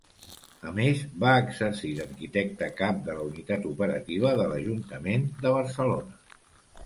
A més, va exercir d'arquitecte cap de la Unitat Operativa de l'Ajuntament de Barcelona.